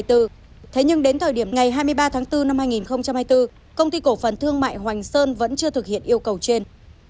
thế nhưng đến thời điểm ngày hai mươi ba tháng bốn năm hai nghìn hai mươi bốn công ty cổ phần thương mại hoành sơn vẫn chưa thực hiện yêu cầu trên